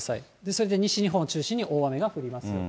それで西日本を中心に大雨が降りますよと。